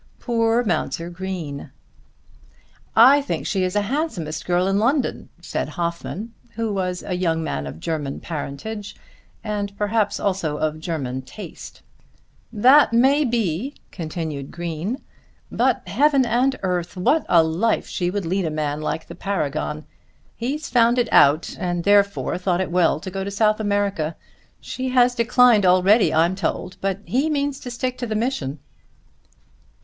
Poor Mounser Green! "I think she's the handsomest girl in London," said Hoffmann, who was a young man of German parentage and perhaps of German taste. "That may be," continued Green; "but, heaven and earth! what a life she would lead a man like the Paragon! He's found it out, and therefore thought it well to go to South America. She has declined already, I'm told; but he means to stick to the mission."